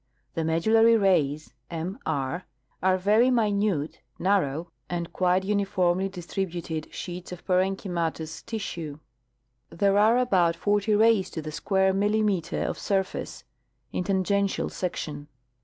The medullary rays (m r) are very minute, narrow and quite uniformly distributed sheets of parenchymatous tissue. There are about 40 rays to the square millimeter of surface (in tan gential section).